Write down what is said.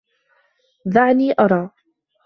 دعني ارى.